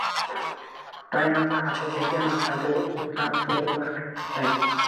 তাই আমরা আগে থেকেই তাদের ওপর চাপ তৈরি করে রাখতে চাই।